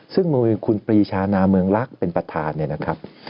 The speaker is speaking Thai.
ซึ่งโดยคุณปรีชานาเมืองลักษณ์เป็นประธานเนี่ยนะครับ